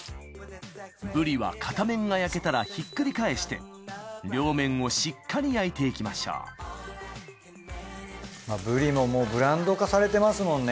ブリは片面が焼けたらひっくり返して両面をしっかり焼いていきましょうブリももうブランド化されてますもんね。